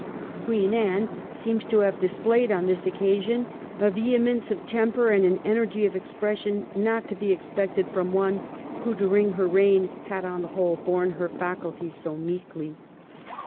Queen Anne seems to have on this occasion displayed a vehemence of temper and an energy of expression not to be ex pected from one who during her reign had on the whole borne her faculties so meekly.